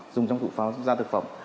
dùng trong phụ gia thực phẩm